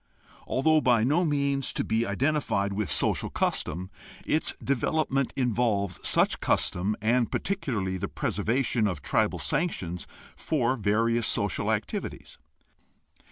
Although by no means to be identified with social custom, its develop ment involves such custom, and particularly the preser vation of tribal sanctions for various social activities.